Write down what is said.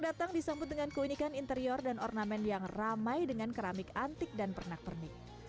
datang disambut dengan keunikan interior dan ornamen yang ramai dengan keramik antik dan pernak pernik